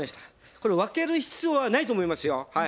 これ分ける必要はないと思いますよ。